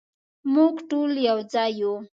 مونږ ټول یو ځای یو